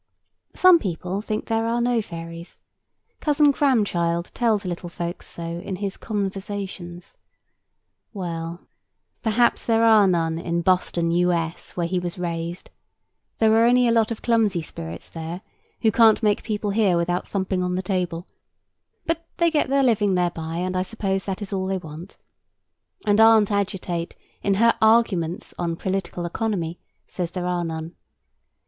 Some people think that there are no fairies. Cousin Cramchild tells little folks so in his Conversations. Well, perhaps there are none—in Boston, U.S., where he was raised. There are only a clumsy lot of spirits there, who can't make people hear without thumping on the table: but they get their living thereby, and I suppose that is all they want. And Aunt Agitate, in her Arguments on political economy, says there are none.